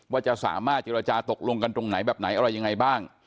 ว่าจะสามารถเจรจาตกลงกันตรงไหนแบบไหนอะไรยังไงบ้าง